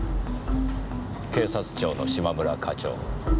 警察庁の嶋村課長。